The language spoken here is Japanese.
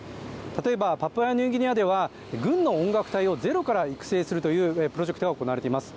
例えば、パプアニューギニアでは軍の音楽隊をゼロから育成するというプロジェクトが行われています。